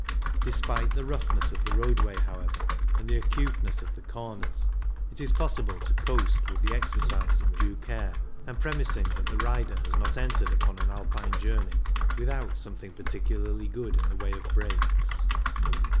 Despite the roughness of the roadway, however, and the acuteness of the comers, it is possible to coast with the exercise of due care, and premising that the rider has not entered upon an Alpine journey without something particularly good in the way of brakes.